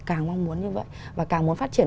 càng mong muốn như vậy và càng muốn phát triển